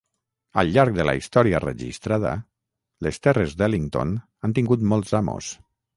Al llarg de la història registrada, les terres d'Ellington han tingut molts amos.